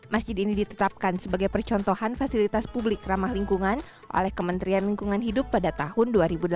masjid ini ditetapkan sebagai percontohan fasilitas publik ramah lingkungan oleh kementerian lingkungan hidup pada tahun dua ribu delapan belas